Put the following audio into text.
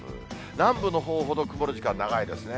南部のほうほど曇る時間長いですね。